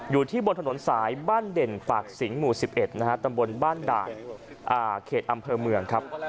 อยู่ที่บนถนนสายบ้านเด่นปากสิงห์หมู่๑๑นะฮะตำบลบ้านด่านเขตอำเภอเมืองครับ